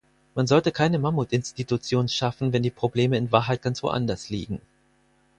Man sollte keine Mammutinstitution schaffen, wenn die Probleme in Wahrheit ganz woanders liegen.